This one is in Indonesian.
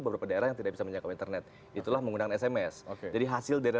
beberapa daerah yang tidak bisa menjangkau internet itulah menggunakan sms jadi hasil dari